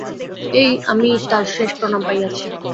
এই আমি তার শেষ প্রণাম পাইয়াছি।